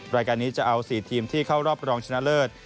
รายการนี้จะเอา๔ทีมที่เข้ารอบรองชนะเลิศ